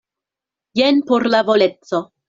Jen por la voleco.